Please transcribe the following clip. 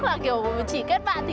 điều hành trình của bạn nữ